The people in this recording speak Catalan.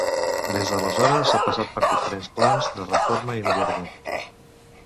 Des d'aleshores ha passat per diferents plans de reforma i millorament.